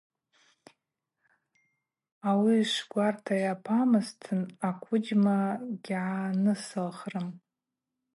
Ауи швгварта йапамазтын аквыджьма гьгӏанысылхрым.